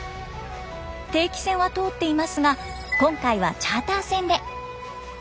定期船は通っていますが今回はチャーター船で。